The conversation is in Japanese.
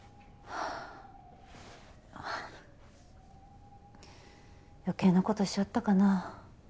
はぁ余計なことしちゃったかな。